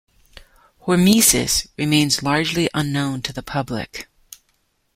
Hormesis remains largely unknown to the public.